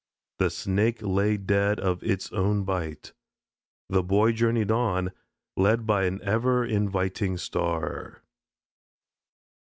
The Snake lay dead of its own bite. The Boy journeyed on, led by an ever inviting star.